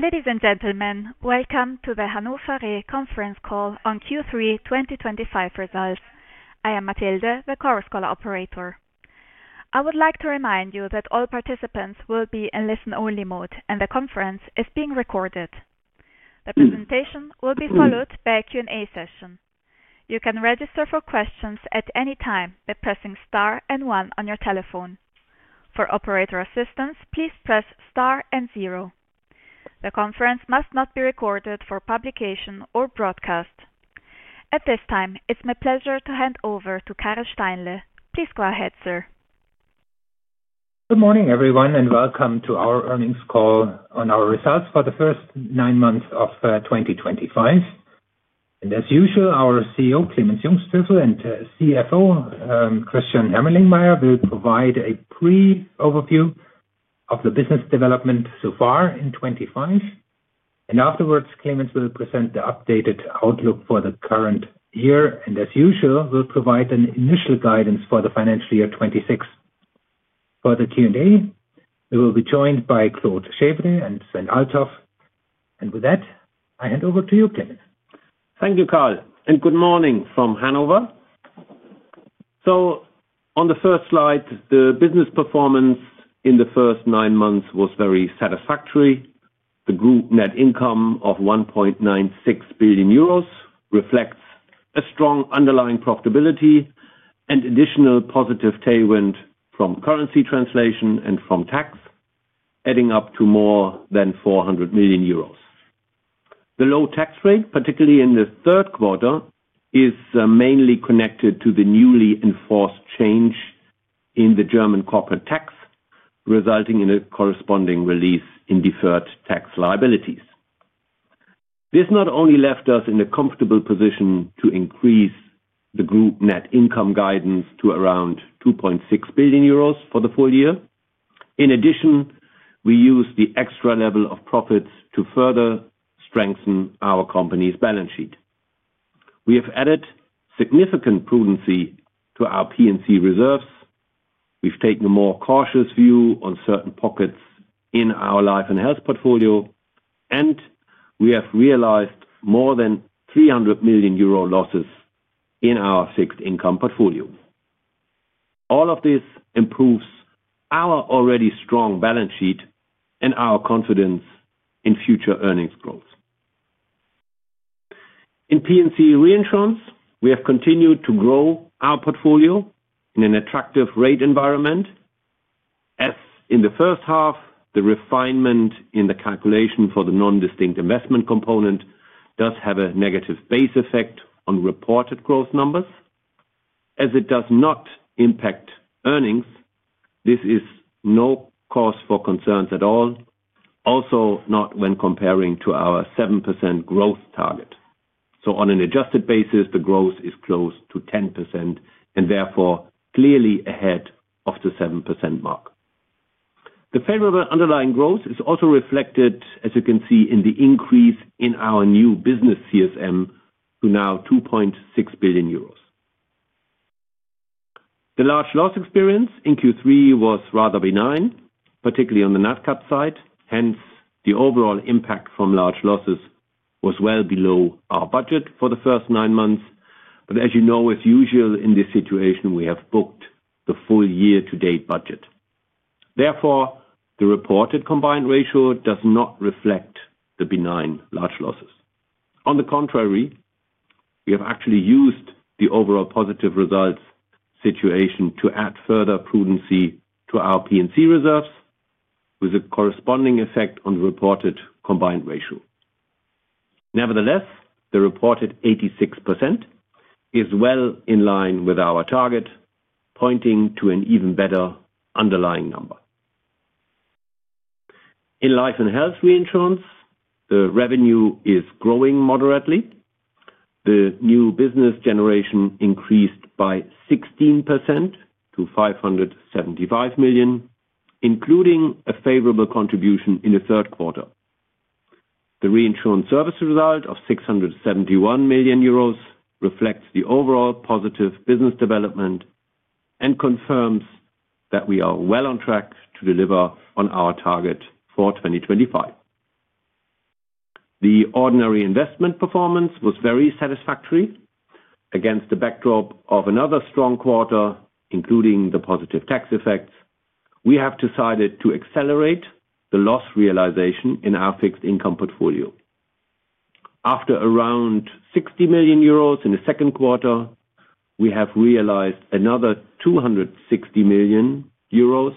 Ladies and gentlemen, welcome to the Hannover Re Conference Call on Q3 2025 results. I am Mathilde, the Chorus Call operator. I would like to remind you that all participants will be in listen only mode and the conference is being recorded. The presentation will be followed by a Q&A session. You can register for questions at any time by pressing star and one on your telephone. For operator assistance, please press star and zero. The conference must not be recorded for publication or broadcast at this time. It's my pleasure to hand over to Karl Steinle. Please go ahead, sir. Good morning everyone and welcome to our earnings call on our results for the first nine months of 2025. As usual, our CEO Clemens Jungsthöfel and CFO Christian Hermelingmeier will provide a program overview of the business development so far in 2025 and afterwards, Clemens will present the updated outlook for the current year and as usual will provide an initial guidance for the financial year 2026. For the Q&A we will be joined by Claude Chèvre and Sven Althoff, and with that I hand over to you, Clemens. Thank you, Karl, and good morning from Hannover. On the first slide, the business performance in the first nine months was very satisfactory. The group net income of 1.96 billion euros reflects a strong underlying profitability and additional positive tailwind from currency translation and from tax adding up to more than 400 million euros. The low tax rate, particularly in the third quarter, is mainly connected to the newly enforced change in the German corporate tax resulting in a corresponding release in deferred tax liabilities. This not only left us in a comfortable position to increase the group net income guidance to around 2.6 billion euros for the full year. In addition, we use the extra level of profits to further strengthen our company's balance sheet. We have added significant prudency to our P&C reserves. We've taken a more cautious view on certain pockets in our life and health portfolio and we have realized more than 300 million euro losses in our fixed income portfolio. All of this improves our already strong balance sheet and our confidence in future earnings growth in P&C reinsurance. We have continued to grow our portfolio in an attractive rate environment. As in the first half, the refinement in the calculation for the non-distinct investment component does have a negative base effect on reported growth numbers as it does not impact earnings. This is no cause for concerns at all. Also not when comparing to our 7% growth target. On an adjusted basis the growth is close to 10% and therefore clearly ahead of the 7% mark, the favorable underlying growth is also reflected, as you can see, in the increase in our new business CSM to now 2.6 billion euros. The large loss experience in Q3 was rather benign, particularly on the NATCAT side. Hence, the overall impact from large losses was well below our budget for the first nine months. As you know, as usual in this situation we have booked the full year to date budget. Therefore, the reported combined ratio does not reflect the benign large losses. On the contrary, we have actually used the overall positive results situation to add further prudency to our P&C reserves with a corresponding effect on the reported combined ratio. Nevertheless, the reported 86% is well in line with our target, pointing to an even better underlying number. In Life and Health Reinsurance, the revenue is growing moderately. The new business generation increased by 16% to 575 million, including a favorable contribution in the third quarter. The reinsurance service result of 671 million euros reflects the overall positive business development and confirms that we are well on track to deliver on our target for 2025. The ordinary investment performance was very satisfactory. Against the backdrop of another strong quarter, including the positive tax effects, we have decided to accelerate the loss realization in our fixed income portfolio after around 60 million euros in the second quarter. We have realized another 260 million euros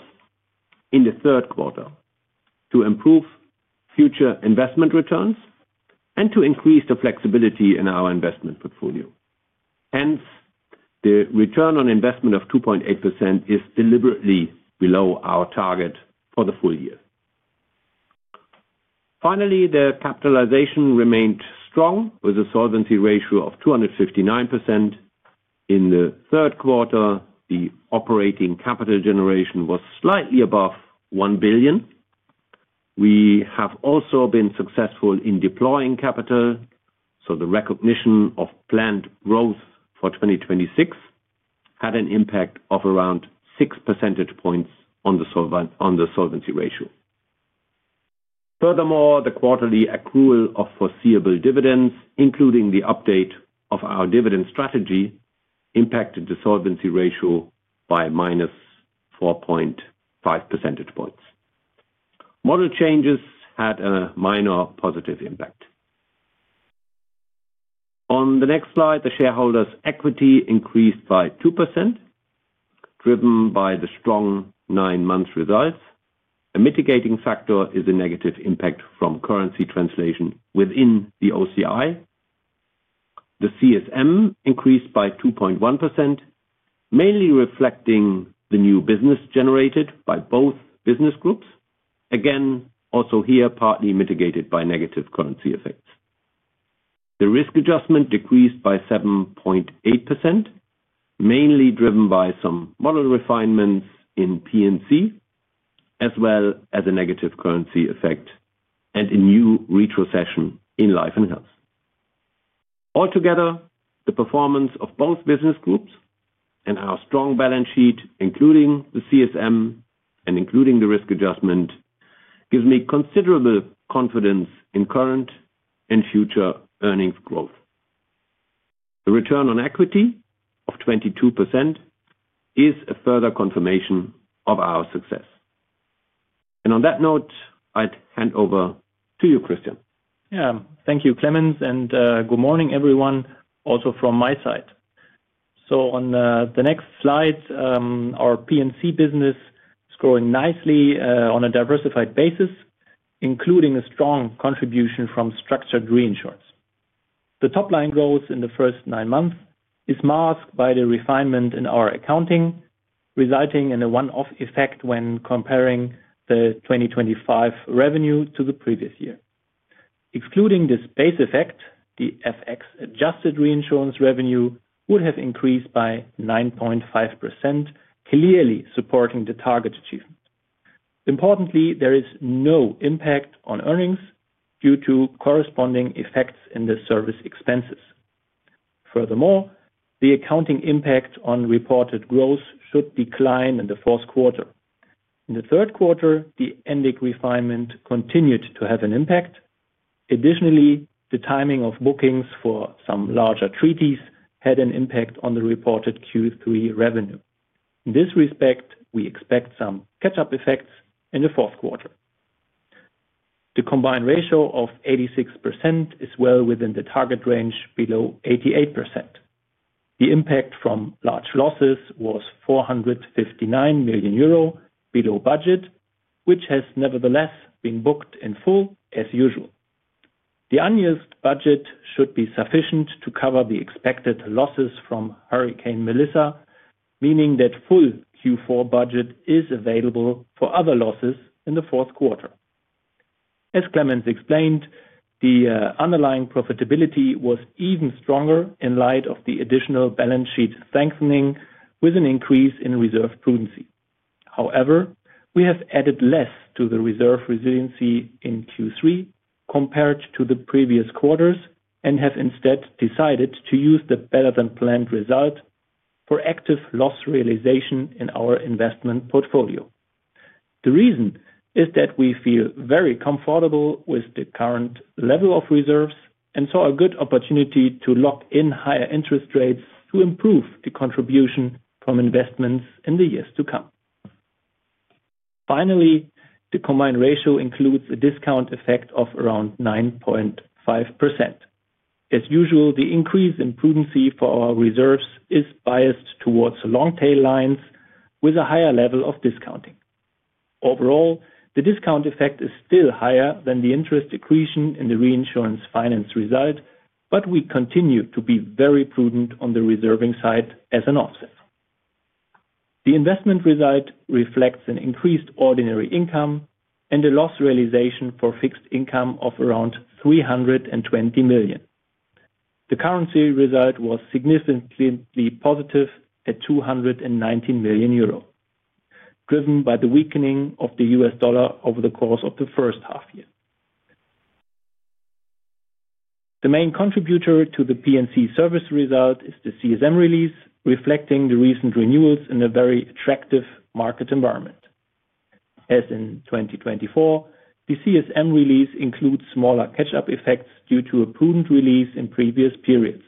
in the third quarter to improve future investment returns and to increase the flexibility in our investment portfolio. Hence, the return on investment of 2.8% is deliberately below our target for the full year. Finally, the capitalization remained strong with a solvency ratio of 259%. In the third quarter, the operating capital generation was slightly above 1 billion. We have also been successful in deploying capital, so the recognition of planned growth for 2026 had an impact of around 6 percentage points on the solvency ratio. Furthermore, the quarterly accrual of foreseeable dividends, including the update of our dividend strategy, impacted the solvency ratio by -4.5 percentage points. Model changes had a minor positive impact on the next slide. The shareholders' equity increased by 2%, driven by the strong nine month results. A mitigating factor is a negative impact from currency translation, which within the OCI, the CSM increased by 2.1%, mainly reflecting the new business generated by both business groups. Again, also here partly mitigated by negative currency effects. The risk adjustment decreased by 7.8%, mainly driven by some model refinements in P&C as well as a negative currency effect and a new retrocession in life and health. Altogether, the performance of both business groups and our strong balance sheet, including the CSM and including the risk adjustment, gives me considerable confidence in current and future earnings growth. The return on equity of 22% is a further confirmation of our success. On that note, I'd hand over to you, Christian. Thank you, Clemens, and good morning everyone, also from my side. On the next slide, our P&C business is growing nicely on a diversified basis, including a strong contribution from structured reinsurance. The top line growth in the first nine months is masked by the refinement in our accounting, resulting in a one-off effect when comparing the 2025 revenue to the previous year. Excluding this base effect, the FX-adjusted reinsurance revenue would have increased by 9.5%, clearly supporting the target achievement. Importantly, there is no impact on earnings due to corresponding effects in the service expenses. Furthermore, the accounting impact on reported growth should decline in the fourth quarter. In the third quarter, the NDIC refinement continued to have an impact. Additionally, the timing of bookings for some larger treaties had an impact on the reported Q3 revenue. In this respect, we expect some catch up effects in the fourth quarter. The combined ratio of 86% is well within the target range below 88%. The impact from large losses was 459 million euro below budget which has nevertheless been booked in full as usual. The unused budget should be sufficient to cover the expected losses from Hurricane Melissa, meaning that full Q4 budget is available for other losses in the fourth quarter. As Clemens explained, the underlying profitability was even stronger in light of the additional balance sheet strengthening with an increase in reserve prudency. However, we have added less to the reserve resiliency in Q3 compared to the previous quarters and have instead decided to use the better than planned result for active loss realization in our investment portfolio. The reason is that we feel very comfortable with the current level of reserves and saw a good opportunity to lock in higher interest rates to improve the contribution from investments in the years to come. Finally, the combined ratio includes a discount effect of around 9.5%. As usual, the increase in prudency for our reserves is biased towards long tail lines with a higher level of discounting. Overall, the discount effect is still higher than the interest accretion in the reinsurance finance result, but we continue to be very prudent on the reserving side. As an offset, the investment result reflects an increased ordinary income and a loss realization for fixed income of around 320 million. The currency result was significantly positive at 219 million euro driven by the weakening of the US dollar over the course of the first half year. The main contributor to the P&C service result is the CSM release reflecting the recent renewals in a very attractive market environment as in 2024, the CSM release includes smaller catch up effects due to a prudent release in previous periods.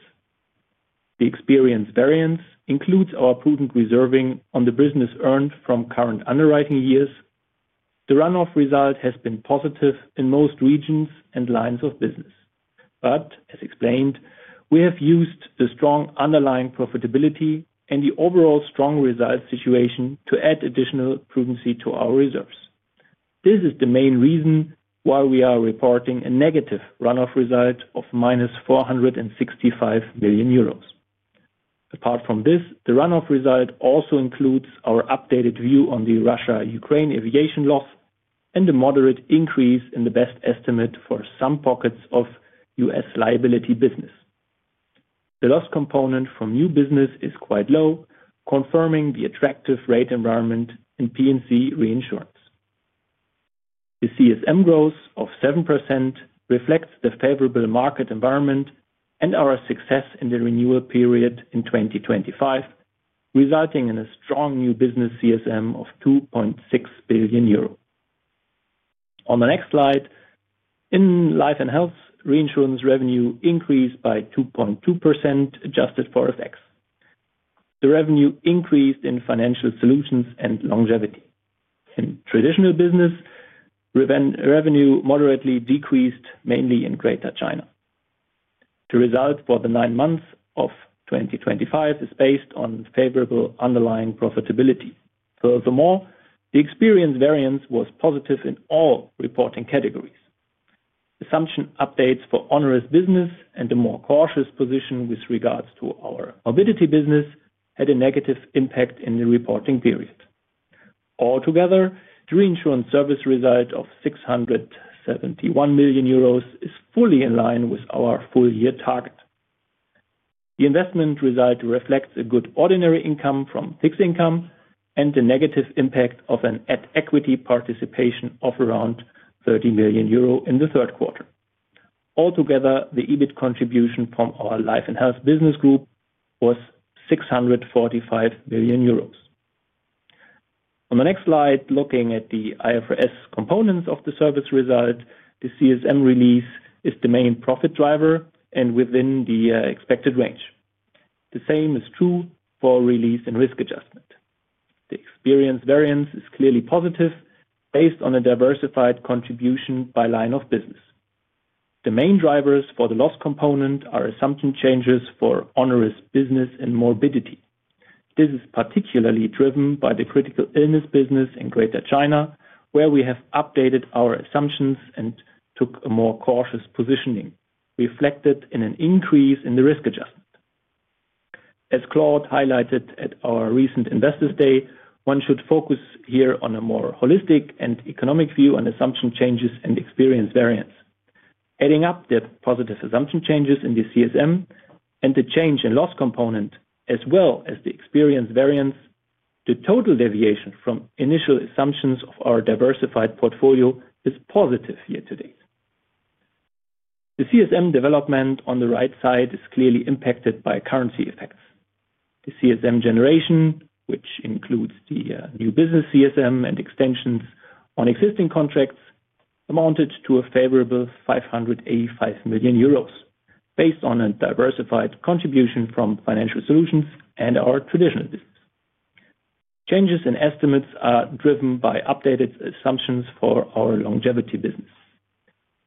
The experience variance includes our prudent reserving on the business earned from current underwriting years. The runoff result has been positive in most regions and lines of business, but as explained, we have used the strong underlying profitability and the overall strong result situation to add additional prudency to our reserves. This is the main reason why we are reporting a negative runoff result of -465 million euros. Apart from this, the runoff result also includes our updated view on the Russia-Ukraine aviation loss and a moderate increase in the best estimate for some pockets of U.S. Liability business. The loss component from new business is quite low, confirming the attractive rate environment in P&C reinsurance. The CSM growth of 7% reflects the favorable market environment and our success in the renewal period in 2025, resulting in a strong new business CSM of 2.6 billion euro. On the next slide, in Life and Health Reinsurance, revenue increased by 2.2%djusted for FX, the revenue increased in financial solutions and longevity in traditional business. Revenue moderately decreased mainly in Greater China. The result for the nine months of 2025 is based on favorable underlying profitability. Furthermore, the experience variance was positive in all reporting categories. Assumption updates for onerous business and a more cautious position with regards to our morbidity business had a negative impact in the reporting period. Altogether, reinsurance service result of 671 million euros is fully in line with our full year target. The investment result reflects a good ordinary income from fixed income and the negative impact of an AD equity participation of around 30 million euro in the third quarter. Altogether, the EBIT contribution from our life and health business group was 645 million euros. On the next slide, looking at the IFRS components of the service result, the CSM release is the main profit driver and within the expected range. The same is true for release and risk adjustment. The experience variance is clearly positive based on a diversified contribution by line of business. The main drivers for the loss component are assumption changes for onerous business and morbidity. This is particularly driven by the critical illness business in Greater China or where we have updated our assumptions and took a more cautious positioning reflected in an increase in the risk adjustment. As Claude highlighted at our recent investors day, one should focus here on a more holistic and economic view on assumption changes and experience variance. Adding up the positive assumption changes in the CSM and the change in loss component as well as the experience variance. The total deviation from initial assumptions of our diversified portfolio is positive year to date. The CSM development on the right side is clearly impacted by currency effects. The CSM generation, which includes the new business CSM and extensions on existing contracts, amounted to a favorable 585 million euros based on a diversified contribution from Financial Solutions and our traditional business. Changes in estimates are driven by updated assumptions for our longevity business.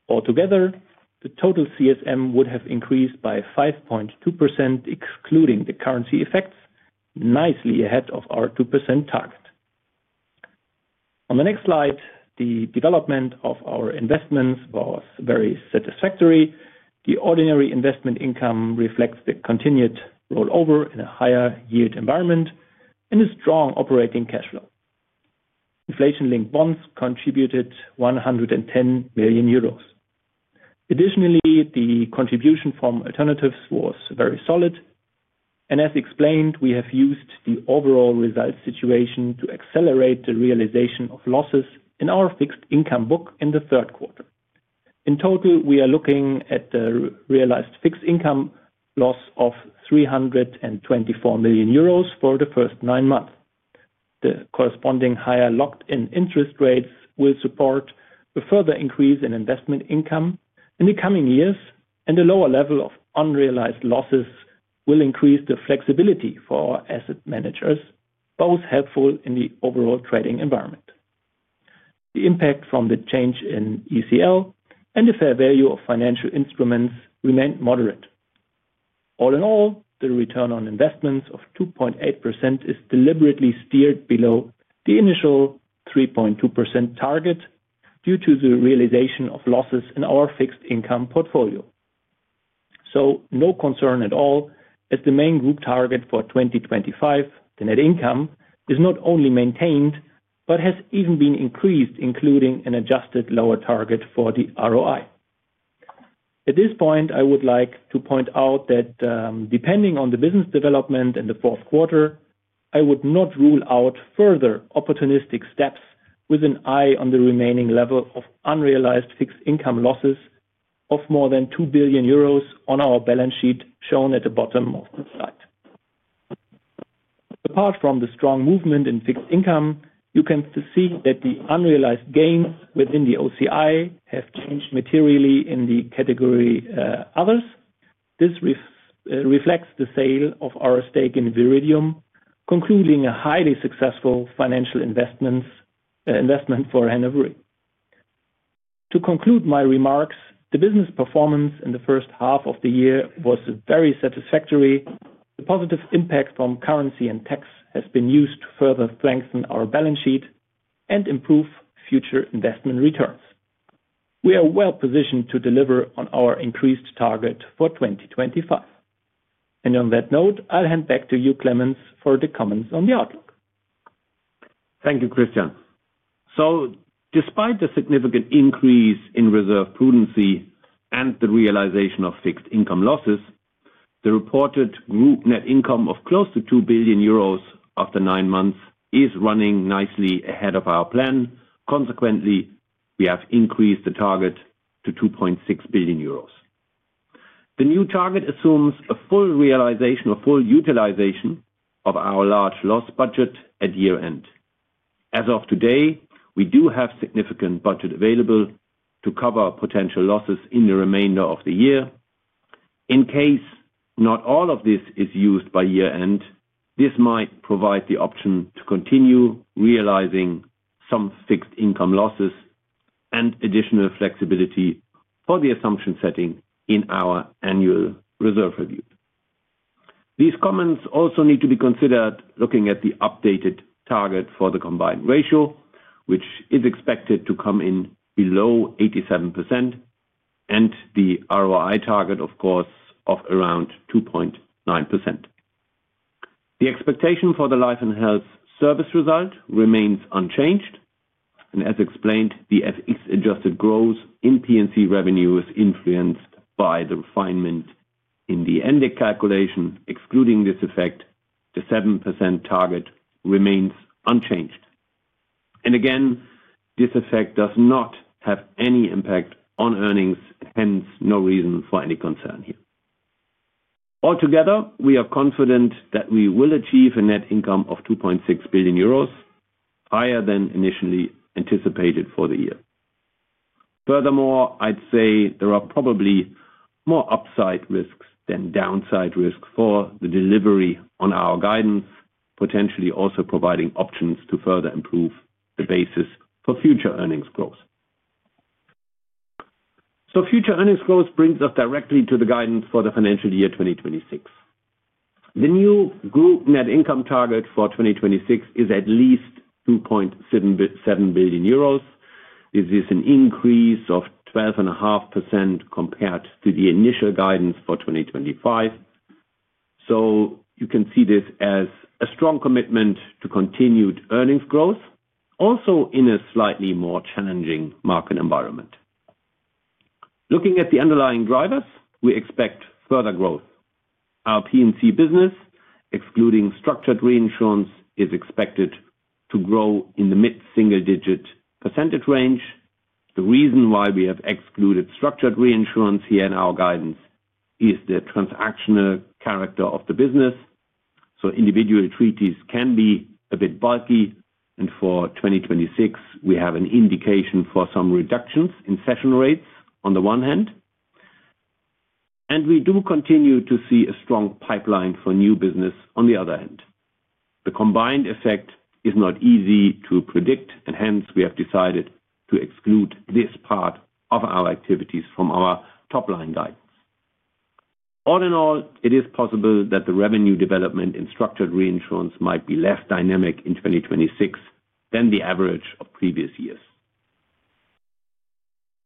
Altogether, the total CSM would have increased by 5.2% excluding the currency effects, nicely ahead of our 2% target. On the next slide, the development of our investments was very satisfactory. The ordinary investment income reflects the continued rollover in a higher yield environment and a strong operating cash flow. Inflation linked bonds contributed 110 million euros. Additionally, the contribution from alternatives was very solid and as explained, we have used the overall result situation to accelerate the realization of losses in our fixed income book in the third quarter. In total, we are looking at realized fixed income loss of 324 million euros for the first nine months. The corresponding higher locked in interest rates will support a further increase in investment income in the coming years and the lower level of unrealized losses will increase the flexibility for asset managers, both helpful in the overall trading environment. The impact from the change in eclipse and the fair value of financial instruments remained moderate. All in all, the return on investments of 2.8% is deliberately steered below the initial 3.2% target due to the realization of losses in our fixed income portfolio. No concern at all. As the main group target for 2025, the net income is not only maintained but has even been increased including an adjusted lower target for the ROI. At this point I would like to point out that depending on the business development in the fourth quarter, I would not rule out further opportunistic steps with an eye on the remaining level of unrealized fixed income losses of more than 2 billion euros on our balance sheet shown at the bottom of the slide. Apart from the strong movement in fixed income, you can see that the unrealized gains within the OCI have changed materially in the category others. This reflects the sale of our stake in Viridium, concluding a highly successful financial investment for Hannover Re. To conclude my remarks, the business performance in the first half of the year was very satisfactory. The positive impact from currency and tax has been used to further strengthen our balance sheet and improve future investment returns. We are well positioned to deliver on our increased target for 2025 and on that note I'll hand back to you, Clemens, for the comments on the outlook. Thank you, Christian. Despite the significant increase in reserve prudency and the realization of fixed income losses, the reported group net income of close to 2 billion euros after nine months is running nicely ahead of our plan. Consequently, we have increased the target to 2.6 billion euros. The new target assumes a full realization or full utilization of our large loss budget at year end. As of today, we do have significant budget available to cover potential losses in the remainder of the year. In case not all of this is used by year end, this might provide the option to continue realizing some fixed income losses and additional flexibility for the assumption setting in our annual reserve review. These comments also need to be considered. Looking at the updated target for the combined ratio which is expected to come in below 87% and the ROI target of course of around 2.9%, the expectation for the life and health service result remains unchanged and as explained, the FX adjusted growth in P&C revenue is influenced by the refinement in the NDIC calculation. Excluding this effect, the 7% target remains unchanged and again this effect does not have any impact on earnings, hence no reason for any concern here. Altogether we are confident that we will achieve a net income of 2.6 billion euros, higher than initially anticipated for the year. Furthermore, I'd say there are probably more upside risks than downside risks for the delivery on our guidance, potentially also providing options to further improve the basis for future earnings growth. Future earnings growth brings us directly to the guidance for the financial year 2026. The new group net income target for 2026 is at least 2.7 billion euros. This is an increase of 12.5% compared to the initial guidance for 2020. You can see this as a strong commitment to continued earnings growth. Also, in a slightly more challenging market environment, looking at the underlying drivers, we expect further growth. Our P&C business excluding structured reinsurance is expected to grow in the mid single-digit percentage range. The reason why we have excluded structured reinsurance here in our guidance is the transactional character of the business. Individual treaties can be a bit bulky and for 2026 we have an indication for some reductions in cession rates on the one hand, and we do continue to see a strong pipeline for new business on the other hand. The combined effect is not easy to predict and hence we have decided to exclude this part of our activities from our top line guidance. All in all, it is possible that the revenue development in structured reinsurance might be less dynamic in 2026 than the average of previous years.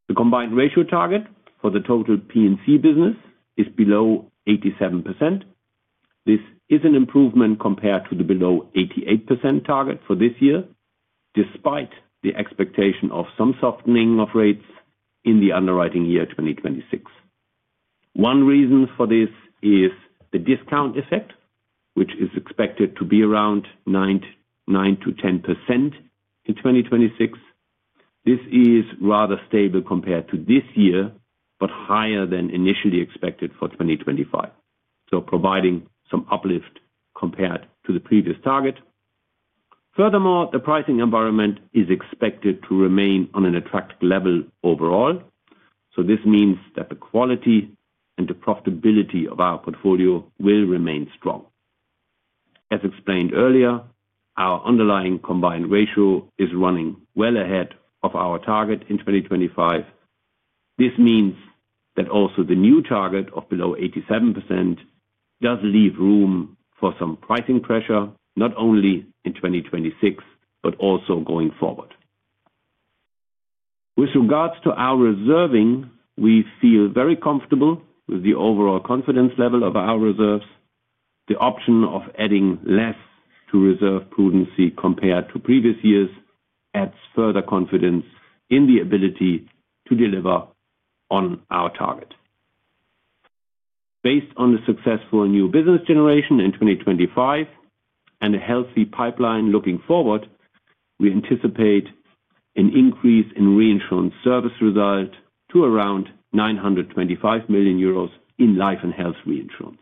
The combined ratio target for the total P&C business is below 87%. This is an improvement compared to the below 88% target for this year despite the expectation of some softening of rates in the underwriting year 2026. One reason for this is the discount effect which is expected to be around 9-10% in 2026. This is rather stable compared to this year but higher than initially expected for 2025, providing some uplift compared to the previous target. Furthermore, the pricing environment is expected to remain on an attractive level overall, which means that the quality and the profitability of our portfolio will remain strong. As explained earlier, our underlying combined ratio is running well ahead of our target in 2025. This means that also the new target of below 87% does leave room for some pricing pressure not only in 2026 but also going forward. With regards to our reserving, we feel very comfortable with the overall confidence level of our reserves. The option of adding less to reserve prudency compared to previous years adds further confidence in the ability to deliver on our target. Based on the successful new business generation in 2025 and a healthy pipeline looking forward, we anticipate an increase in reinsurance service result to around 925 million euros. In Life and Health Reinsurance,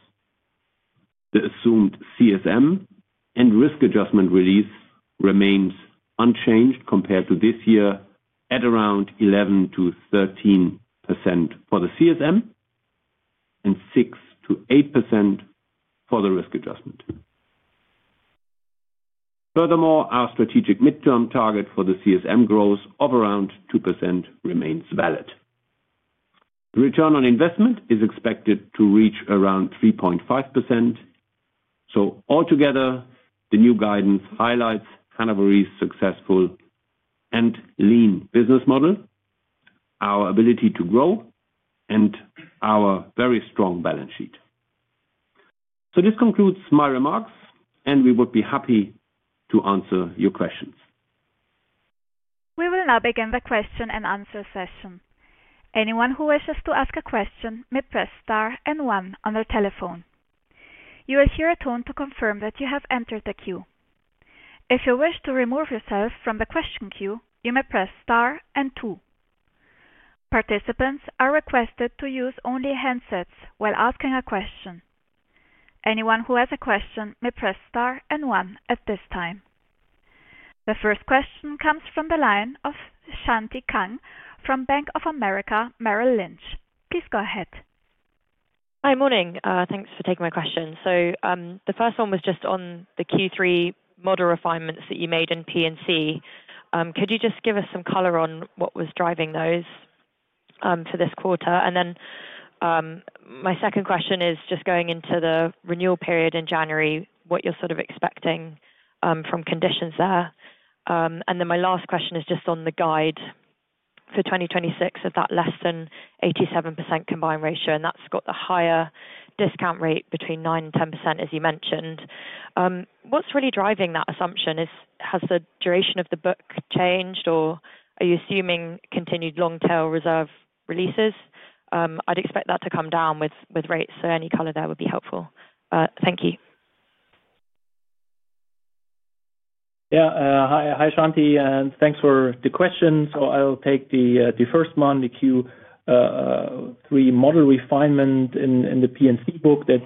the assumed CSM and risk adjustment release remains unchanged compared to this year at around 11%-13% for the CSM and 6%-8% for the risk adjustment. Furthermore, our strategic midterm target for the CSM growth of around 2% remains valid. Return on investment is expected to reach around 3.5%. Altogether, the new guidance highlights Hannover Re's successful and lean business model, our ability to grow and our very strong balance sheet. This concludes my remarks and we would be happy to answer your questions. We will now begin the question and answer session. Anyone who wishes to ask a question may press star and 1 on the telephone. You will hear a tone to confirm that you have entered the queue. If you wish to remove yourself from the question queue, you may press star and two. Participants are requested to use only handsets while asking a question. Anyone who has a question may press star and 1 at this time. The first question comes from the line of Shanti Kang from Bank of America Merrill Lynch. Please go ahead. Hi, morning. Thanks for taking my question. The first one was just on the Q3 model refinements that you made in P&C. Could you just give us some color on what was driving those for this quarter? My second question is just going into the renewal period in January, what you're sort of expecting from conditions there. My last question is just on the guide for 2026 at that less than 87% combined ratio and that's got the higher discount rate between 9-10% as you mentioned. What's really driving that assumption? Has the duration of the book changed or are you assuming continued long tail reserve releases? I'd expect that to come down with rates, so any color there would be helpful. Thank you. Yeah, hi Shanti, and thanks for the question. I'll take the first one, the Q3 model refinement in the P&C book that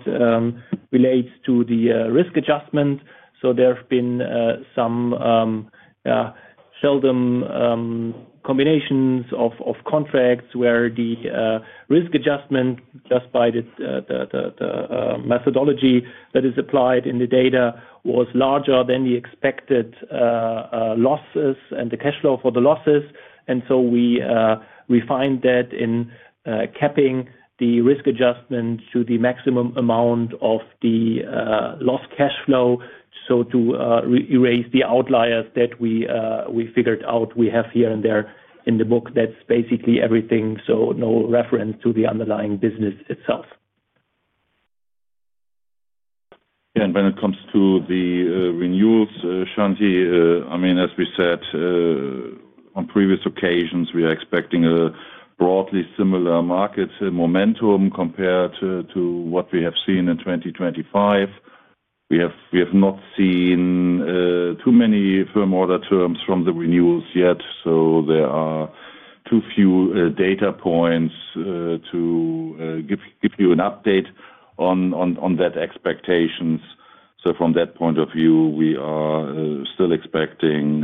relates to the risk adjustment. There have been some seldom combinations of contracts where the risk adjustment just by the methodology that is applied in the data was larger than the expected losses and the cash flow for the losses. We refined that in capping the risk adjustment to the maximum amount of the loss cash flow. To erase the outliers that we figured out, we have here and there in the book. That's basically everything no reference to the underlying business itself. When it comes to the renewals, Shanti, I mean as we said on previous occasions, we are expecting a broadly similar market momentum compared to what we have seen in 2025. We have not seen too many firm order terms from the renewals yet, so there are too few data points to give you an update on that expectations. From that point of view we are still expecting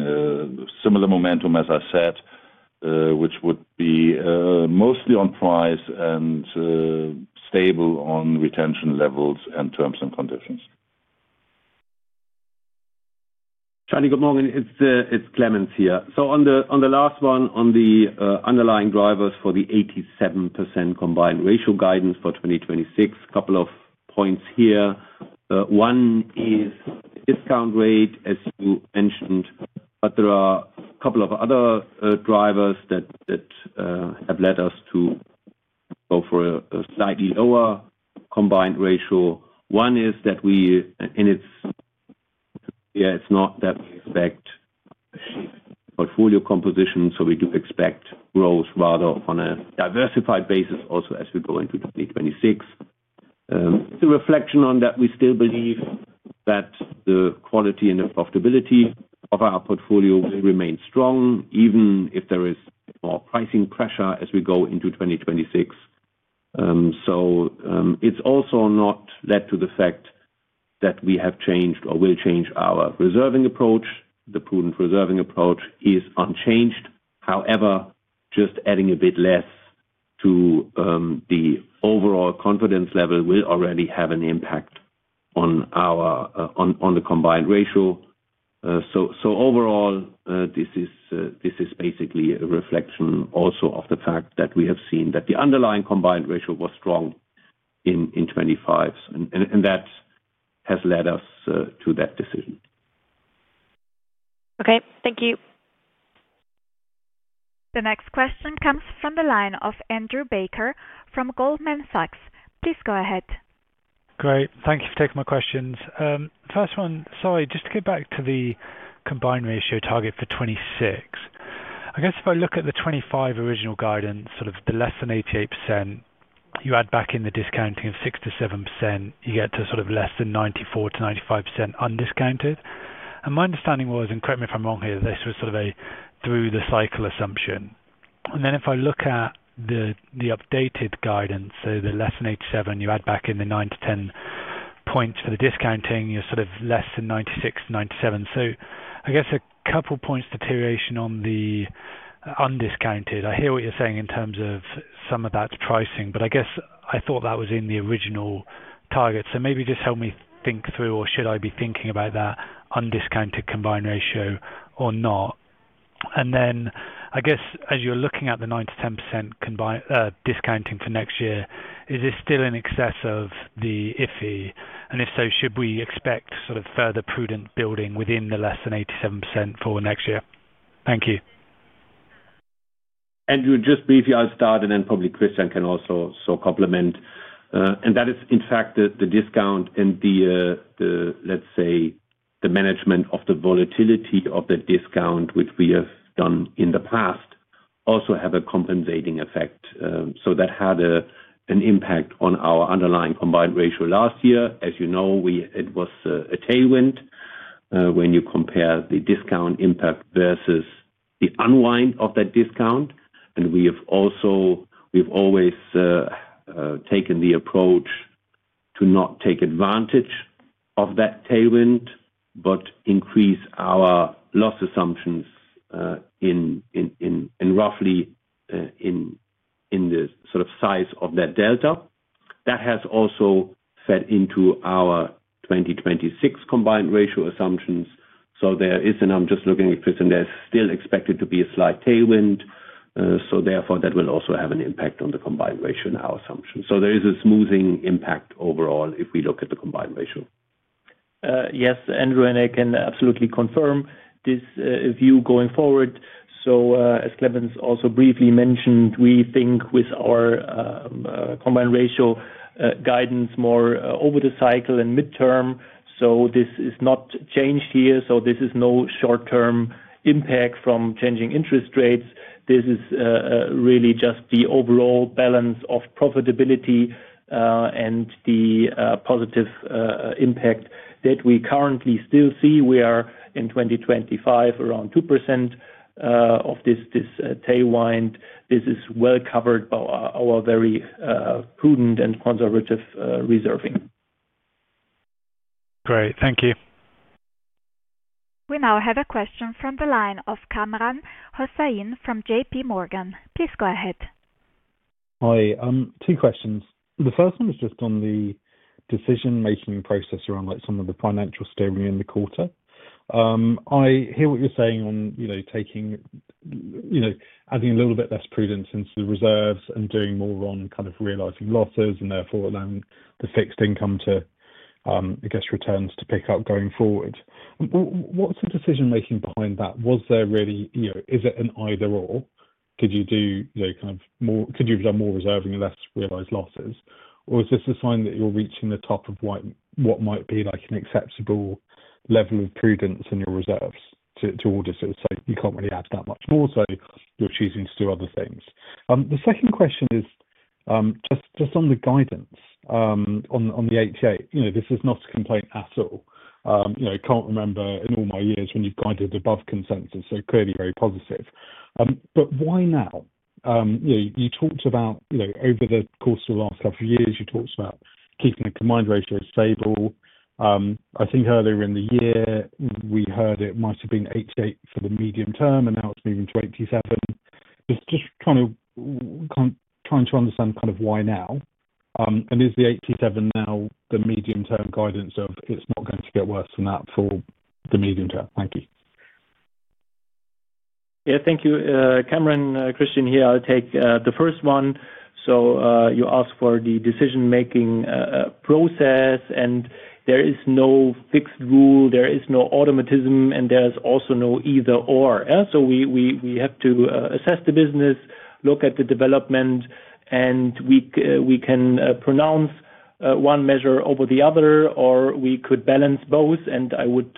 similar momentum as I said, which would be mostly on price and stable on retention levels and terms and conditions. Shanti, good morning, it's Clemens here. On the last one on the underlying drivers for the 87% combined ratio guidance for 2026, couple of points here. One is discount rate as you mentioned, but there are a couple of other drivers that have led us to go for a slightly lower combined ratio. One is that we, and it's yeah, it's not that we expect portfolio composition so we do expect growth rather on a diversified basis. Also as we go into 2026, the reflection on that, we still believe that the quality and the profitability of our portfolio will remain strong even if there is more pricing pressure as we go into 2026. It's also not led to the fact that we have changed or will change our reserving approach. The prudent reserving approach is unchanged. However, just adding a bit less to the overall confidence level will already have an impact on our combined ratio. Overall, this is basically a reflection also of the fact that we have seen that the underlying combined ratio was strong in 2025 and that has led us to that decision. Okay, thank you. The next question comes from the line of Andrew Baker from Goldman Sachs. Please go ahead. Great. Thank you for taking my questions. First one, sorry, just to get back to the combined ratio target for 2026, I guess if I look at the 2025 original guidance, sort of the less than 88% you add back in the discounting of 6-7% you get to sort of less than 94-95% undiscounted. My understanding was, and correct me if I'm wrong here, this was sort of a through the cycle assumption. If I look at the updated guidance, so the less than 87 you add back in the 9-10 points for the discounting, you're sort of less than 96-97. I guess a couple points deterioration on the undiscounted. I hear what you're saying in terms of some of that pricing, but I guess I thought that was in the original target. Maybe just help me think through or should I be thinking about that undiscounted combined ratio or not? I guess as you're looking at the 9-10% discounting for next year, is this still in excess of the IFE? If so, should we expect sort of further prudent building within the less than 87% for next year? Thank you. Andrew. Just briefly I'll start and then probably Christian can also complement and that is in fact the discount and the, let's say, the management of the volatility of the discount which we have done in the past also have a compensating effect. That had an impact on our underlying combined ratio last year. As you know, it was a tailwind when you compare the discount impact versus the unwind of that discount. We have always taken the approach to not take advantage of that tailwind but increase our loss assumptions and roughly in the sort of size of that delta. That has also fed into our 2026 combined ratio assumptions. There is, and I'm just looking at this, and there's still expected to be a slight tailwind. Therefore, that will also have an impact on the combined ratio in our assumption. There is a smoothing overall if we look at the combined ratio. Yes, Andrew, and I can absolutely confirm this view going forward. As Clemens also briefly mentioned, we think with our combined ratio guidance more over the cycle and mid term. This is not changed here. There is no short term impact from changing interest rates. This is really just the overall balance of profitability and the positive impact that we currently still see. We are in 2025 around 2% of this Tailwind. This is well covered by our very prudent and conservative reserving. Great, thank you. We now have a question from the line of Kamran Hossain from JP Morgan. Please go ahead. Hi. Two questions. The first one is just on the decision making process around like some of the financial statement in the quarter. I hear what you're saying on, you know, taking, you know, adding a little bit less prudence into the reserves and doing more on kind of realizing losses and therefore allowing the fixed income to, I guess, returns to pick up going forward. What's the decision making behind that? Was there really, you know, is it an either or could you do kind of more? Could you have done more reserving less realized losses or is this a sign that you're reaching the top of what might be like an acceptable level of prudence in your reserves to auditors? You can't really add that much more so you're choosing to do other things. The second question is just on the guidance on the 88. You know, this is not a complaint at all. You know, I can't remember in all my years when you've guided above consensus. Clearly very positive. Why now? You talked about over the course of the last couple of years you talked about keeping the combined ratio stable. I think earlier in the year we heard it might have been 88 for the medium term and now it's moving to 87. Just trying to understand kind of why now and is the 87 now the medium term guidance or it's not going to get worse than that for the medium term. Thank you. Yeah, thank you. Kamran, Christian here. I'll take the first one. You ask for the decision making process and there is no fixed rule, there is no automatism and there's also no either or. We have to assess the business, look at the development and we can pronounce one measure over the other. We could balance both and I would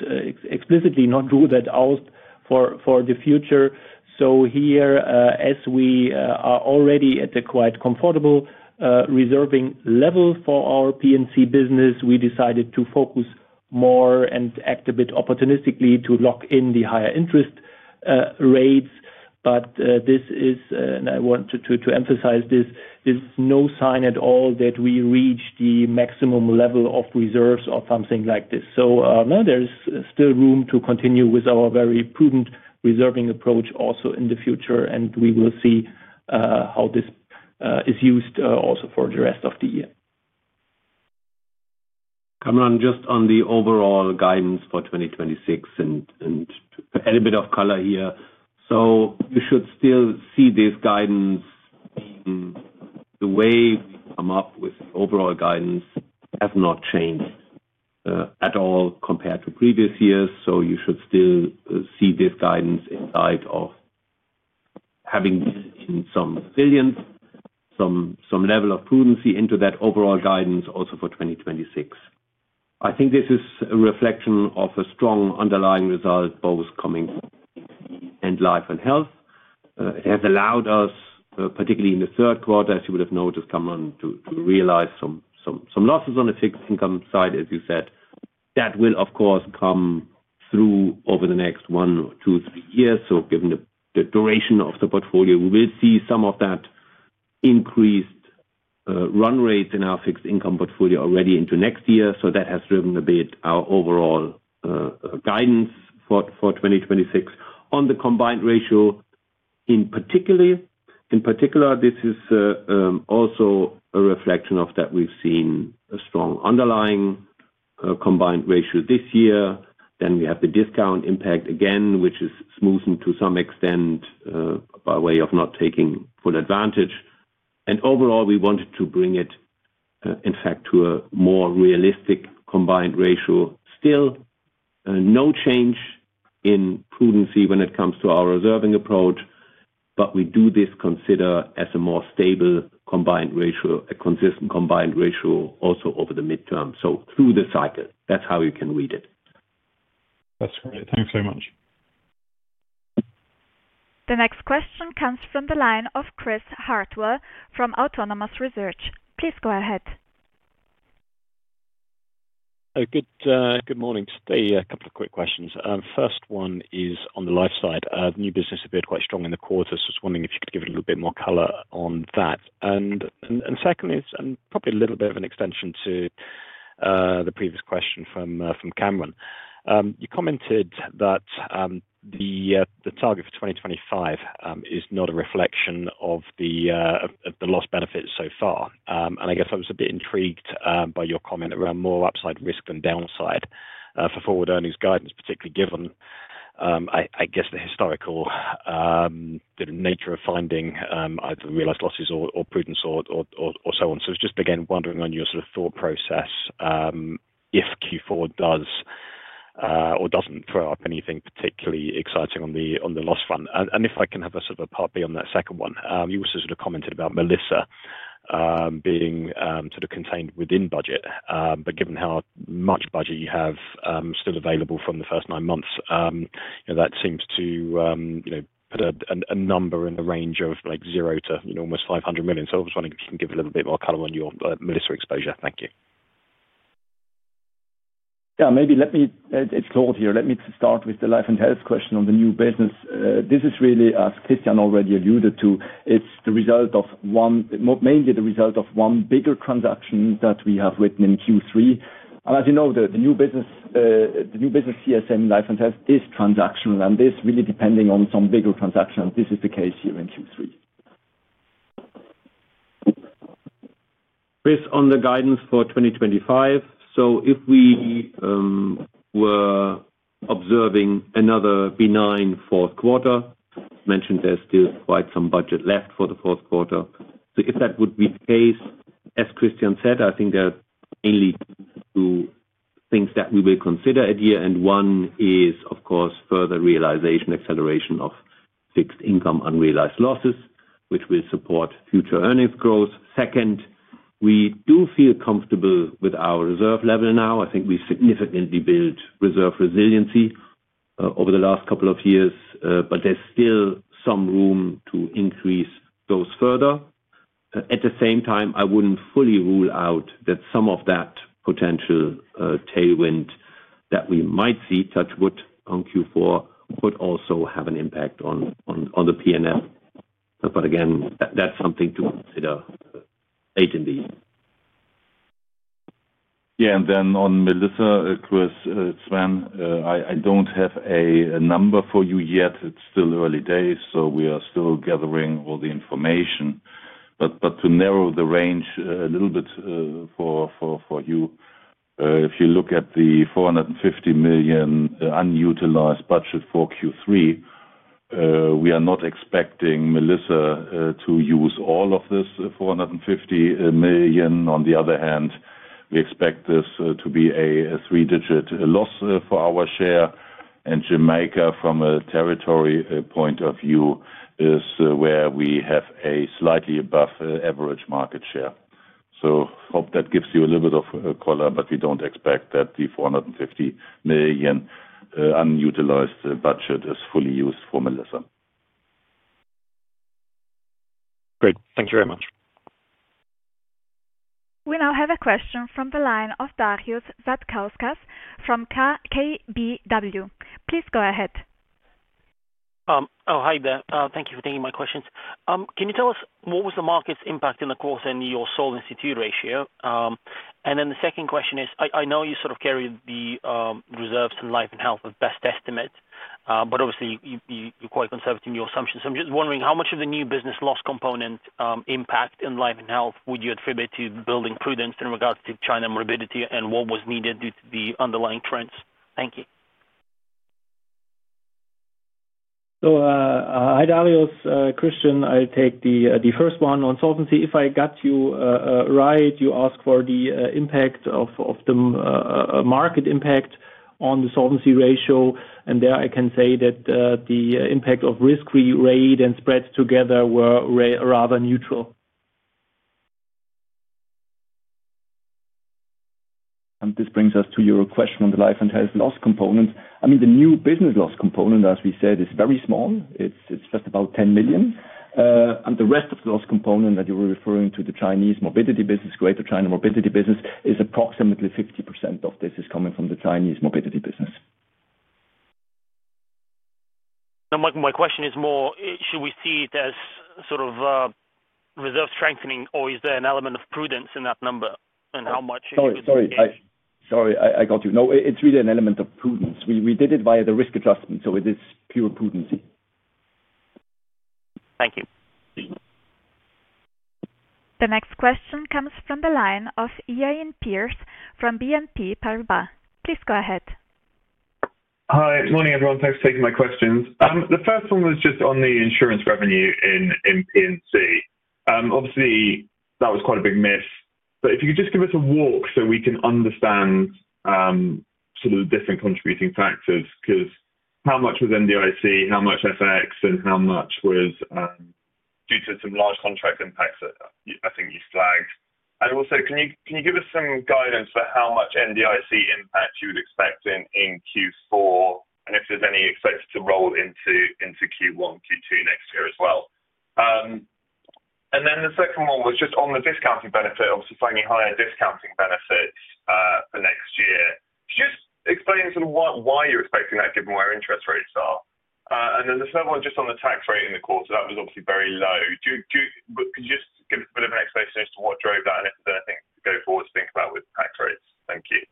explicitly not rule that out for the future. Here as we are already at a quite comfortable reserving level for our P&C business, we decided to focus more and act a bit opportunistically to lock in the higher interest rates. This is, and I want to emphasize this, there's no sign at all that we reach the maximum level of reserves or something like this. There's still room to continue with our very prudent reserving approach also in the future, and we will see how this is used also for the rest of the year. Kamran, just on the overall guidance for 2026 and add a bit of color here. You should still see this guidance. The way we come up with overall guidance has not changed at all compared to previous years. You should still see this guidance in light of having some resilience, some level of prudency into that overall guidance. Also for 2026. I think this is a reflection of a strong underlying result both coming in life and health. It has allowed us, particularly in the third quarter, as you would have noticed, Kamran, to realize some losses on the fixed income side as you that will of course come through over the next one, two, three years. Given the duration of the portfolio, we will see some of that increased run rates in our fixed income portfolio already into next year. That has driven a bit our overall guidance for 2026 on the combined ratio in particular. This is also a reflection of that we've seen a strong underlying combined ratio this year. We have the discount impact again which is smoothened to some extent by way of not taking full advantage. Overall we wanted to bring it in fact to a more realistic combined ratio. Still no change in prudency when it comes to our reserving approach. We do this consider as a more stable combined ratio, a consistent combined ratio also over the midterm. Through the cycle that's how you can read it. That's great. Thanks very much. The next question comes from the line of Chris Hartwell from Autonomous Research. Please go ahead. Good morning. A couple of quick questions. First one is on the life side, the new business appeared quite strong in the quarter, so I was wondering if you could give a little bit more color on that. Second is, and probably a little bit of an extension to the previous question from Kamran. You commented that the target for 2025 is not a reflection of the lost benefits so far. I guess I was a bit intrigued by your comment around more upside risk than downside for forward earnings guidance, particularly given, I guess, the historical nature of finding either realized losses or prudence or so on. I was just again wondering on your sort of thought if Q4 does or does not throw up anything particularly exciting on the loss fund and if I can have a sort of a part B on that second one. You also sort of commented about Melissa being sort of contained within budget, but given how much budget you have still available from the first nine months. That seems to put a number in the range of zero to almost 500 million. I was wondering if you can give a little bit more color on your Melissa exposure. Thank you. Yes, maybe. Let me. It's Claude here. Let me start with the life and health question on the new business. This is really as Christian already alluded to, it's the result of one, mainly the result of one bigger transaction, that we have written in Q3. As you know, the new business CSM life and test is transactional and this really depending on some bigger transaction. This is the case here in Q3. Chris, on the guidance for 2025. If we were observing another benign fourth quarter mentioned, there's still quite some budget left for the fourth quarter. If that would be the case, as Christian said, I think there are only two things that we will consider at year end. One is of course further realization acceleration of fixed income unrealized losses which will support future earnings growth. Second, we do feel comfortable with our reserve level now. I think we significantly built reserve resiliency over the last couple of years, but there's still some room to increase those further. At the same time, I wouldn't fully rule out that some of that potential tailwind that we might see, touch wood, on Q4 could also have an impact on the P&L. Again, that's something to consider. Late and B. Yeah. On Melissa. Chris, it's Sven, I don't have a number for you yet. It's still early days so we are still gathering all the information. To narrow the range a little bit for you, if you look at the 450 million unutilized budget for Q3, we are not expecting Melissa to use all of this 450 million. On the other hand, we expect this to be a three-digit loss for our share. Jamaica from a territory point of view is where we have a slightly above average market share. Hope that gives you a little bit of color but we do not expect that the 450 million unutilized budget is fully used for Melissa. Great, thank you very much. We now have a question from the line of Darius Satkauskas from KBW. Please go ahead. Oh hi there. Thank you for taking my questions. Can you tell us what was the market's impact in the course and your solvency ratio? And then the second question is I know you sort of carry the reserves in life and health of best estimate but obviously you're quite conservative in your assumptions. I'm just wondering how much of the new business loss component impact in life and health would you attribute to building prudence in regards to China morbidity and what was needed due to the underlying trends? Thank you. Hi Darius, it's Christian. I'll take the first one on solvency. If I got you right, you asked for the impact of the market impact on the solvency ratio and there I can say that the impact of risk free rate and spreads together were rather neutral. This brings us to your question on the life and health loss component. I mean the new business loss component. As we said, is very small. It's just about 10 million. The rest of the loss component that you were referring to the Chinese morbidity business, Greater China morbidity business is approximately 50% of this is coming from the Chinese morbidity business. My question is more should we see it as sort of reserve strengthening or is there an element of prudence in that number and how much? Sorry, sorry, I got you. No, it's really an element of prudence. We did it via the risk adjustment. It is pure prudency. Thank you. The next question comes from the line of Iain Pearce from BNP Paribas. Please go ahead. Hi. Morning everyone. Thanks for taking my questions. The first one was just on the insurance revenue in P&C. Obviously that was quite a big miss. If you could just give us a walk so we can understand. Sort of different contributing factors because how much was NDIC, how much FX and how much was due to some large contract impacts I think you flagged. Can you give us some guidance for how much NDIC impact you would expect in Q4 and if there's any expected to roll into Q1, Q2 next year as well. The second one was just on the discounting benefit, obviously finding higher discounting benefits for next year. Just explain why you're expecting that given where interest rates are. There is another one just on the tax rate in the quarter that was obviously very low. Could you just give us a bit of an explanation as to what drove. That and if there's anything to go forward to think about with tax rates. Thank you.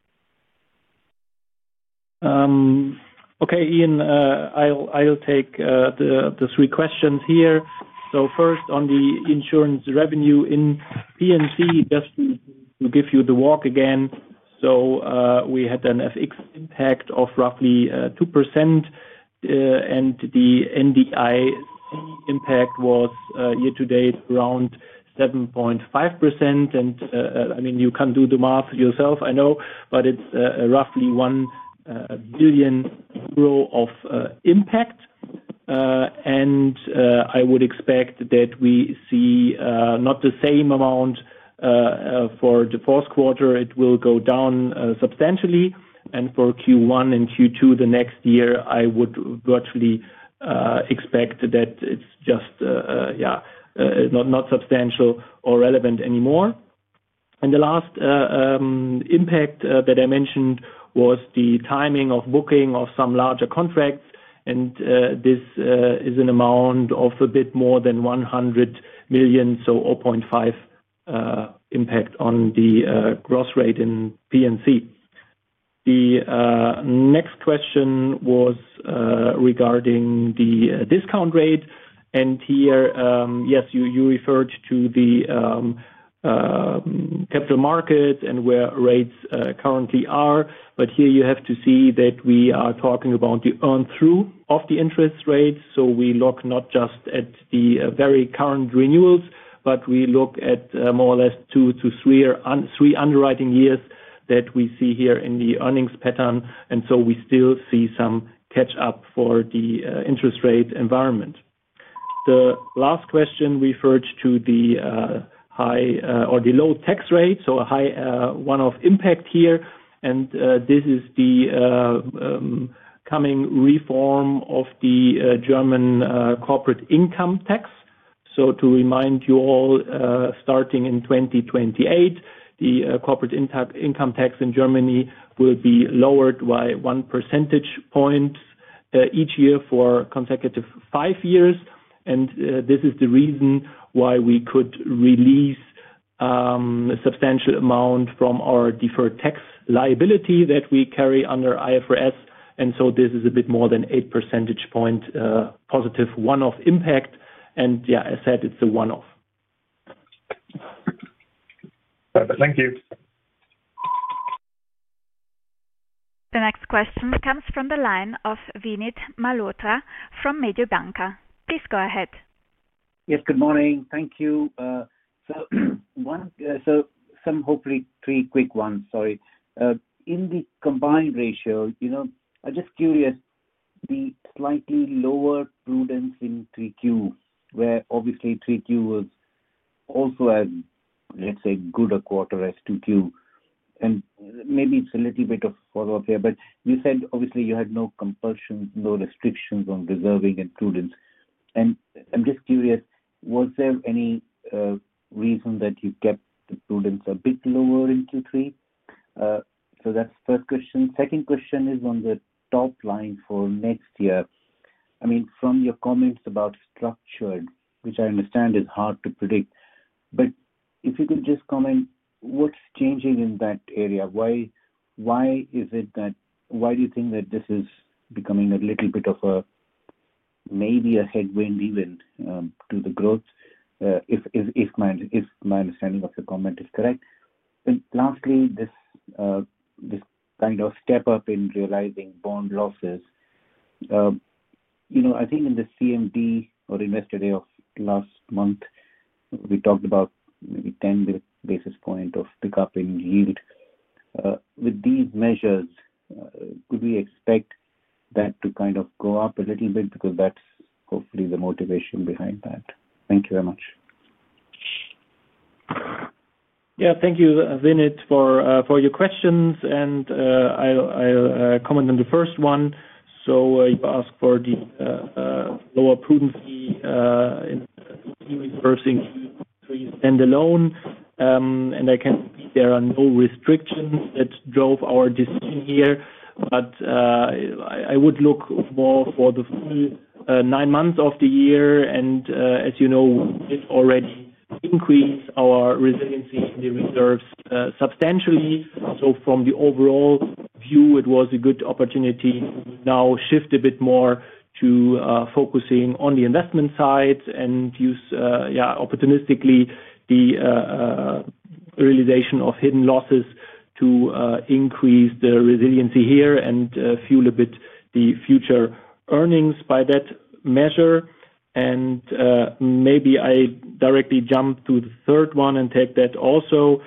Okay, Iain, I'll take the three questions here. First on the insurance revenue in P&C, just to give you the walk again. We had an FX impact of roughly 2% and the NDIC impact was year to date around 7.5%. I mean you can do the math yourself, I know, but it's roughly 1 billion euro of impact and I would expect that we see not the same amount for the fourth quarter. It will go down substantially. For Q1 and Q2 next year, I would virtually expect that it's just not substantial or relevant anymore. The last impact that I mentioned was the timing of booking of some larger contracts. This is an amount of a bit more than 100 million, so 0.5% impact on the growth rate in P&C. The next question was regarding the discount rate, and here yes, you referred to the capital markets and where rates currently are. You have to see that we are talking about the earned through of the interest rate. We look not just at the very current renewals, but we look at more or less two to three underwriting years that we see here in the earnings pattern. We still see some catch up for the interest rate environment. The last question referred to the high or the low tax rate. A high one off impact here. This is the coming reform of the German corporate income tax. To remind you all, starting in 2028, the corporate income tax in Germany will be lowered by one percentage point each year for consecutive five years. This is the reason why we could release a substantial amount from our deferred tax liability that we carry under IFRS.This is a bit more than 8 percentage point positive one off impact. Yeah, I said it's a one off. Thank you. The next question comes from the line of Vinit Malhotra from Mediobanca. Please go ahead. Yes, good morning. Thank you. One, so some hopefully three quick ones. Sorry. In the combined ratio, you know, I'm just curious, the slightly lower prudence in 3Q where obviously 3Q was also as, let's say, good a quarter as 2Q and maybe it's a little bit of follow up here. You said obviously you had no compulsions, no restrictions on reserving and prudence. I'm just curious, was there any reason that you kept the prudence a bit lower in Q3? That's first question. Second question is on the top line for next year. I mean from your comments about structured, which I understand is hard to predict. If you could just comment what's changing in that area? Why, why is it that, why do you think that this is becoming a little bit of a, maybe a headwind even to the growth? If my understanding of the comment is correct. Lastly, this kind of step up in realizing bond losses. You know, I think in the CMD Investor day of last month we talked about maybe 10 basis points of pickup in yield with these measures, could we expect that to kind of go up a little bit? Because that's hopefully the motivation behind that. Thank you very much. Yeah, thank you Vinit for your questions and I comment on the first one. You ask for the lower prudency standalone and I can. There are no restrictions that drove our decision here, but I would look more for the full nine months of the year. As you know, it already increased our resiliency in the reserves substantially. From the overall view it was a good opportunity to now shift a bit more to focusing on the investment side and use opportunistically the realization of hidden losses to increase the resiliency here and fuel a bit the future earnings by that measure. Maybe I directly jump to the third one and take that also.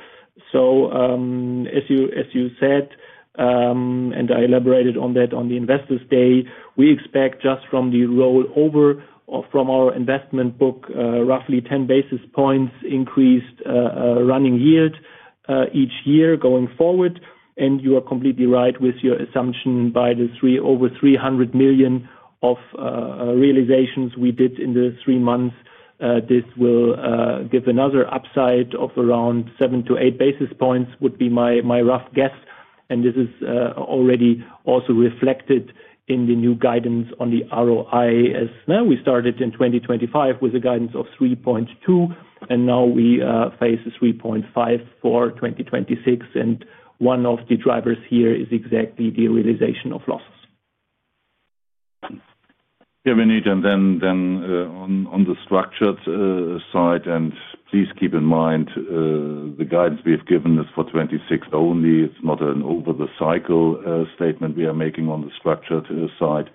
As you said, and I elaborated on that on the investors day, we expect just from the roll over from our investment book roughly 10 basis points increased running yield each year going forward. You are completely right with your assumption. By the over 300 million of realizations we did in the three months, this will give another upside of around 7-8 basis points would be my rough guess. This is already also reflected in the new guidance on the ROIs. We started in 2025 with a guidance of 3.2 and now we face 3.5 for 2026. One of the drivers here is exactly the realization of losses. Vinit. On the structured side, please keep in mind the guidance we have given is for 2020 only. It is not an over-the-cycle statement we are making on the structured side.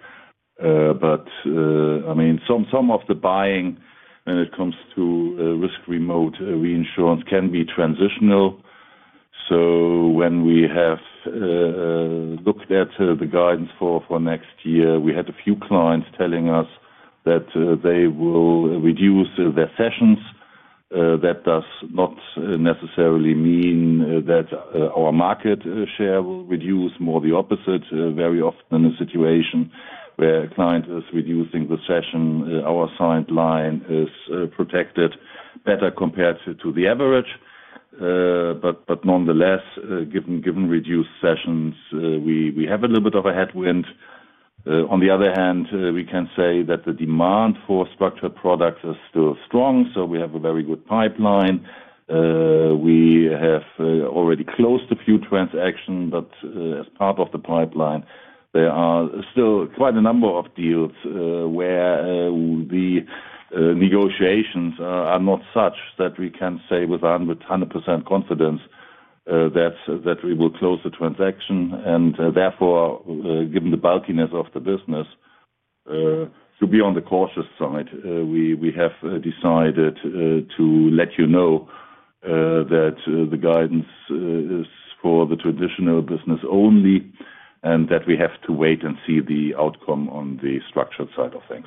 I mean, some of the buying when it comes to risk remote reinsurance can be transitional. When we looked at the guidance for next year, we had a few clients telling us that they will reduce their sessions. That does not necessarily mean that our market share will reduce more. The opposite. Very often in a situation where a client is reducing the session, our signed line is protected better compared to the average. Nonetheless, given reduced sessions, we have a little bit of a headwind. On the other hand, we can say that the demand for structured products is still strong. We have a very good pipeline. We have already closed a few transactions, but as part of the pipeline there are still quite a number of deals where the negotiations are not such that we can say with 100% confidence that we will close the transaction. Therefore, given the bulkiness of the business, to be on the cautious side, we have decided to let you know that the guidance is for the traditional business only and that we have to wait and see the outcome on the structured side of things.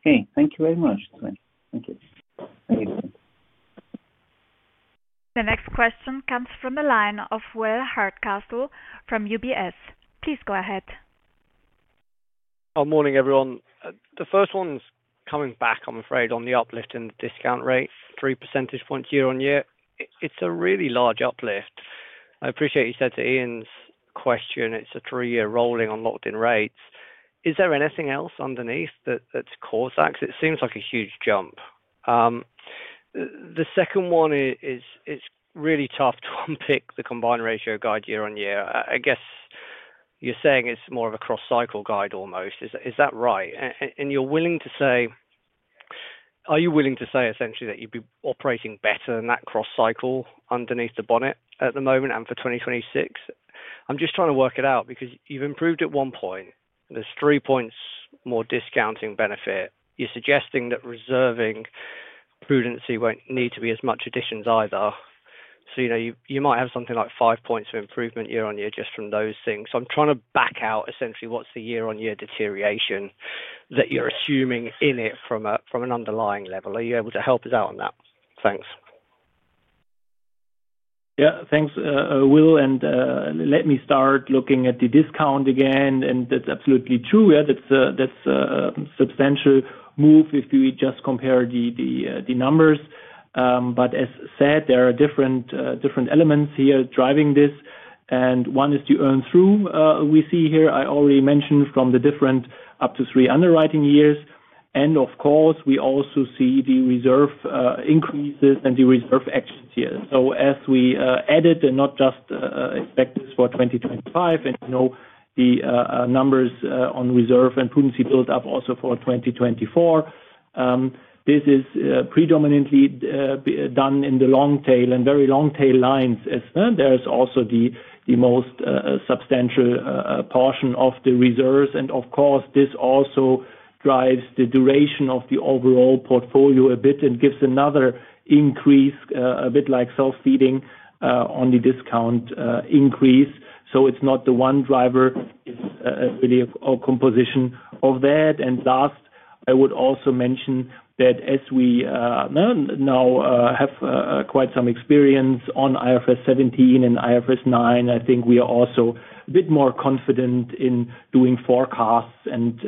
Okay, thank you very much. The next question comes from a line of Will Hardcastle from UBS, please go ahead. Morning everyone. The first one's coming back I'm afraid on the uplift in the discount rate. Three percentage points year on year. It's a really large uplift. I appreciate you said to Ian's question it's a three year rolling on locked in rates. Is there anything else underneath that? Cause that it seems like a huge jump. The second one is it's really tough to unpick the combined ratio guide year on year. I guess you're saying it's more of a cross cycle guide almost, is that right? Are you willing to say essentially that you'd be operating better than that cross cycle underneath the bonnet at the moment and for 2026? I'm just trying to work it out because you've improved at one point there's three points more discounting benefit. You're suggesting that reserving prudency won't need to be as much additions either. You know you might have something like five percentage points of improvement year on year just from those things. I am trying to back out essentially what is the year on year deterioration that you are assuming in it from an underlying level. Are you able to help us out on that? Thanks. Yeah, thanks Will. Let me start looking at the discount again. That's absolutely true. That's a substantial move if we just compare the numbers. As said, there are different elements here driving this and one is to earn through. We see here, I already mentioned from the different up to three underwriting years, and of course we also see the reserve increases and the reserve actions here. As we added and not just expect this for 2025, the numbers on reserve and prudency build up also for 2020. This is predominantly done in the long tail and very long tail lines as there is also the most substantial portion of the reserves. Of course, this also drives the duration of the overall portfolio a bit and gives another increase, a bit like self-feeding on the discount increase. It is not the one driver, it is really a composition of that. Last, I would also mention that as we now have quite some experience on IFRS 17 and IFRS 9, I think we are also a bit more confident in doing forecasts and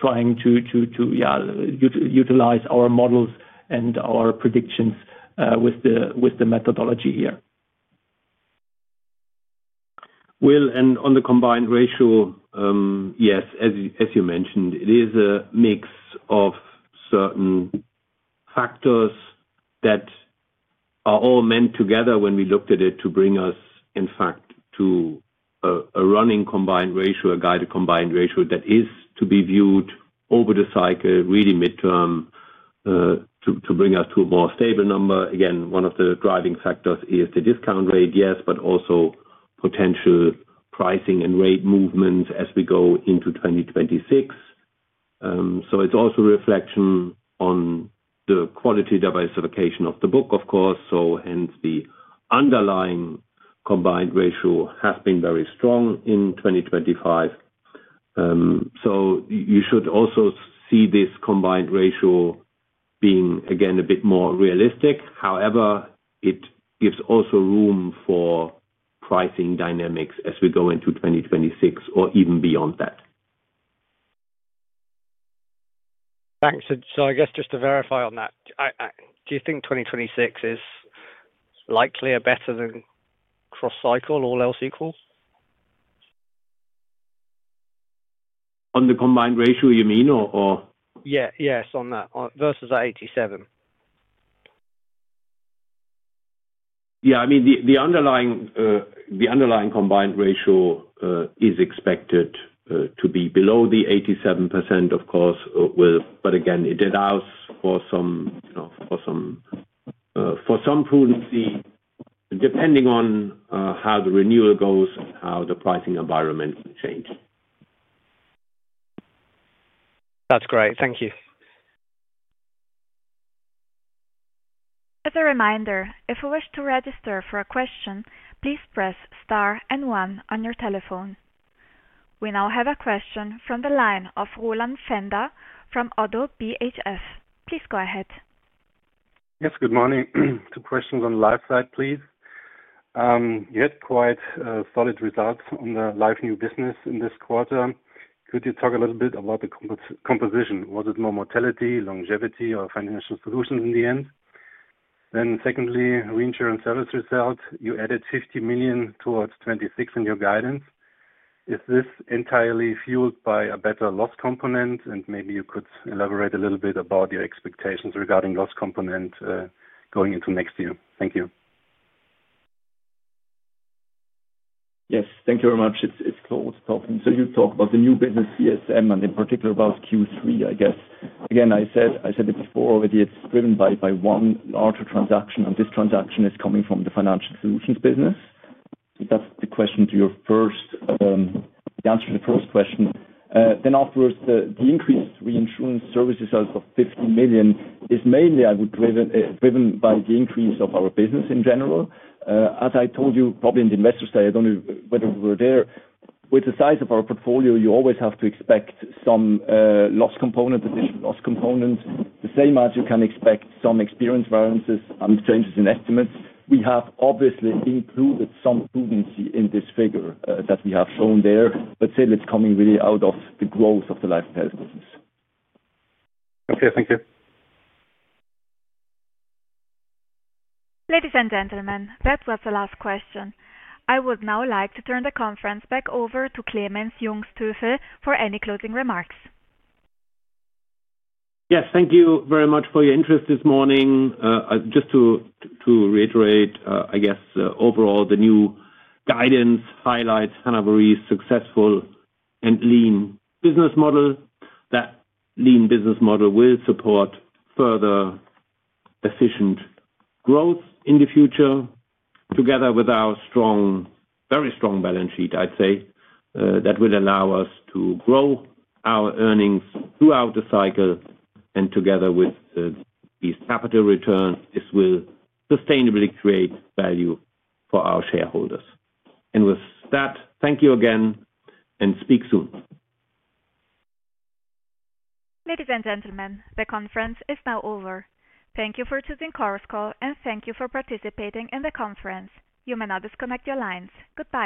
trying to utilize our models and our predictions with the methodology here. Will. On the Combined Ratio? Yes, as you mentioned, it is a mix of certain factors that are all meant together when we looked at it to bring us in fact to a running Combined Ratio, a guided Combined Ratio that is to be viewed over the cycle really midterm to bring us to a more stable number. Again, one of the driving factors is the discount rate. Yes. But also potential pricing and rate movements as we go into 2026. It is also a reflection on the quality diversification of the book, of course. Hence, the underlying combined ratio has been very strong in 2025. You should also see this combined ratio being again a bit more realistic. However, it gives also room for pricing dynamics as we go into 2026 or even beyond that. Thanks. I guess just to verify on that, do you think 2026 is likely a better than cross cycle all else equal? On the combined ratio you mean or? Yes, on that versus 87%? Yeah, I mean the underlying combined ratio is expected to be below the 87% of course, but again it allows for some, for some prudency depending on how the renewal goes, how the pricing environment changes. That's great, thank you. As a reminder, if you wish to register for a question, please press N1 on your telephone. We now have a question from the line of Roland Pfänderfrom ODDO BHF. Please go ahead. Yes, good morning. Two questions on the life side please. You had quite solid results on the life new business in this quarter. Could you talk a little bit about the composition? Was it more mortality, longevity or financial solutions in the end? Then secondly, reinsurance service result, you added 50 million towards 2026 in your guidance. Is this entirely fueled by a better loss component? Maybe you could elaborate a little bit about your expectations regarding loss component. Going into next year. Thank you. Yes, thank you very much. It's close talking. You talk about the new business CSM and in particular about Q3. I guess again I said it before already. It's driven by one larger transaction and this transaction is coming from the financial solutions business. That's the question to your first. The answer to the first question then offers the increased reinsurance services of 15 million is mainly I would drive it. Driven by the increase of our business in general. As I told you probably in the Investors Day. I don't know whether we're there yet. The size of our portfolio. You always have to expect some loss component, additional loss components the same as you can expect some experience variances, changes in estimates. We have obviously included some prudency in this figure that we have shown there. It is coming really out of the growth of the life and health business. Okay, thank you. Ladies and gentlemen. That was the last question. I would now like to turn the conference back over to Clemens Jungsthöfel for any closing remarks. Yes, thank you very much for your interest this morning. Just to reiterate, I guess, overall, the new guidance highlights Hannover Re's successful and lean business model. That lean business model will support further efficient growth in the future. Together with our strong, very strong balance sheet, I'd say that will allow us to grow our earnings throughout the cycle. Together with these capital returns, this will sustainably create value for our shareholders. With that, thank you again and speak soon. Ladies and gentlemen, the conference is now over. Thank you for choosing Chorus Call and thank you for participating in the conference. You may now disconnect your lines. Goodbye.